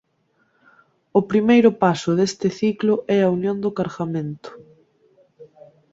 O primeiro paso deste ciclo é a unión do cargamento.